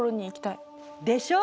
でしょ！